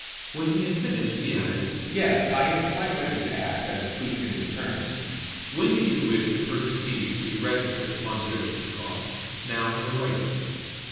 When he had finished he added: "Yes, I am quite ready to act as Plushkin's attorney. When do you wish the purchase deeds to be registered, Monsieur Chichikov now or later?"